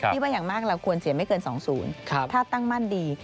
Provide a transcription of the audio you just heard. ที่ว่าอย่างมากเราควรเสียไม่เกิน๒๐ถ้าตั้งมั่นดี